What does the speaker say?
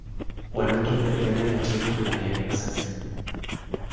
Juan Antonio bere anaia txirrindularia ere izan zen.